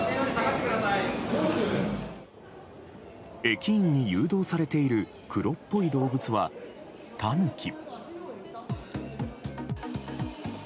駅員に誘導されている黒っぽい動物は、タヌキ。